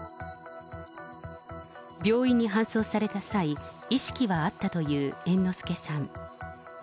病院に搬送された際、意識はあったという猿之助さん。